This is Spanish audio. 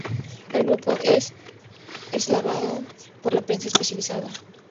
El grupo es alabado por la prensa especializada.